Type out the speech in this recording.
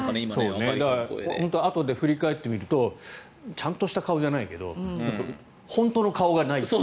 あとで振り返ってみるとちゃんとした顔じゃないけど本当の顔がないという。